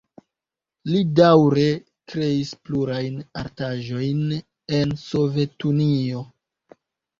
Li daŭre kreis plurajn artaĵojn en Sovetunio.